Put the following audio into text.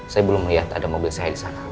saya belum melihat ada mobil saya di sana